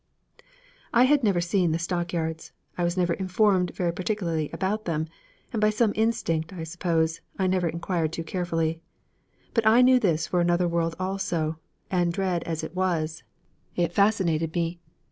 I had never seen the stockyards. I was never informed very particularly about them, and by some instinct, I suppose, I never inquired too carefully. But I knew this for another world also, and dread as it was, it fascinated me.